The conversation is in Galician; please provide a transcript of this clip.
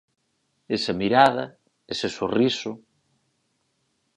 Esa mirada, ese sorriso...